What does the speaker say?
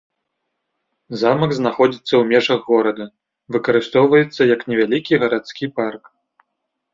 Замак знаходзіцца ў межах горада, выкарыстоўваецца як невялікі гарадскі парк.